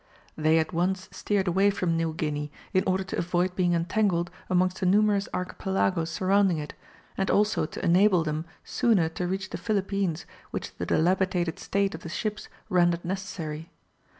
They at once steered away from New Guinea, in order to avoid being entangled amongst the numerous archipelagos surrounding it, and also to enable them sooner to reach the Philippines, which the dilapidated state of the ships rendered necessary.